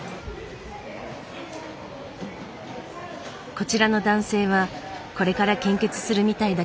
こちらの男性はこれから献血するみたいだけど。